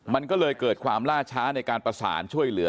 มันก็เลยเกิดความล่าช้าในการประสานช่วยเหลือ